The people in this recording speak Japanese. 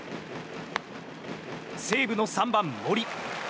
西武の３番、森。